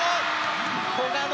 古賀の